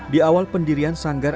di awal pendirian sanggar